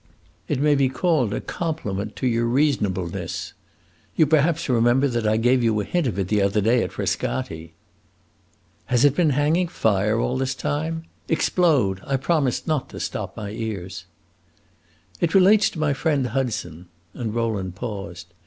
"It may be called a compliment to your reasonableness. You perhaps remember that I gave you a hint of it the other day at Frascati." "Has it been hanging fire all this time? Explode! I promise not to stop my ears." "It relates to my friend Hudson." And Rowland paused.